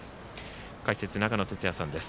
解説、長野哲也さんです。